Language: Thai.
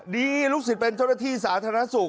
ลูกศิษย์เป็นเจ้าหน้าที่สาธารณสุข